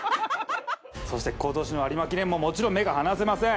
そして今年の有馬記念ももちろん目が離せません